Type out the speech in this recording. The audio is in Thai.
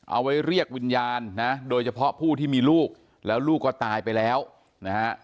เอาไว้เรียกวิญญาณนะโดยเฉพาะผู้ที่มีลูกแล้วลูกก็ตายไปแล้วนะฮะ